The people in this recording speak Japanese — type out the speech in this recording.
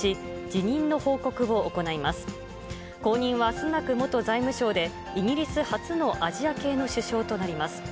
後任はスナク元財務相で、イギリス初のアジア系の首相となります。